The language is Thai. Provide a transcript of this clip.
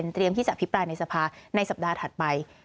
ที่จะอภิปรายในสภาในสัปดาห์ถัดไป